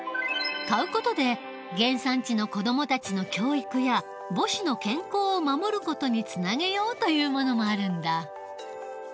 買う事で原産地の子どもたちの教育や母子の健康を守る事につなげようというものもあるんだ。